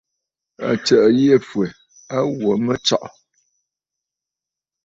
Àtsə̀ʼə̀ yî fwɛ̀ a wo mə tsɔ̀ʼɔ̀.